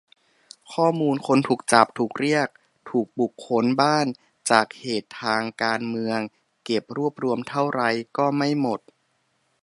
ข้อมูลคนถูกจับ ถูกเรียก ถูกบุกค้นบ้าน จากเหตุทางการเมือง เก็บรวบรวมเท่าไรก็ไม่หมด